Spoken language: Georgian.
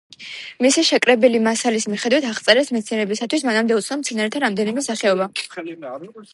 მისი შეკრებილი მასალის მიხედვით აღწერეს მეცნიერებისათვის მანამდე უცნობ მცენარეთა რამდენიმე სახეობა.